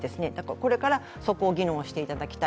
これからそこを議論していただきたい。